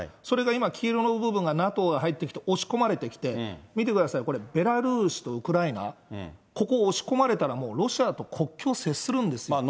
それが今、黄色の部分がＮＡＴＯが入ってきて押し込まれてきて、見てください、これ、ベラルーシとウクライナ、ここ、押し込まれたら、ロシアと国境を接するんです。